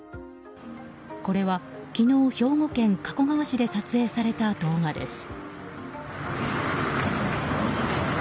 これは、昨日兵庫県加古川市で撮影された動画です。